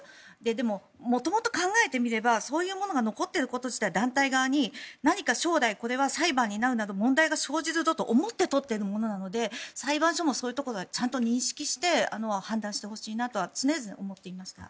でも、元々考えてみればそういうことが残っていること自体団体側に何か将来これは裁判になるなど問題が生じるぞと思って撮っているものなので裁判所もそういうところは認識して判断してほしいなとは常々思っていました。